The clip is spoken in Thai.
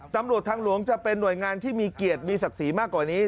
ตำรวจทางหลวงจะเป็นหน่วยงานที่มีเกียรติมีศักดิ์ศรีมากกว่านี้